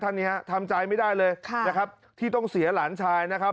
นี้ฮะทำใจไม่ได้เลยนะครับที่ต้องเสียหลานชายนะครับ